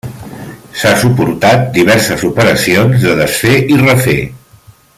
S'ha suportat diverses operacions de desfer i refer.